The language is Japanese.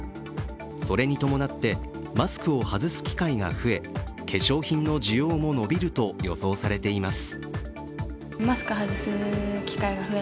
それに伴って、マスクを外す機会が増え化粧品の需要も伸びると予想されています。